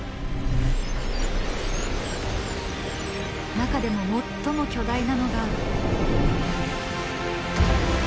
中でも最も巨大なのが。